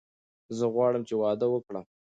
زه غواړم چې واده وکړم.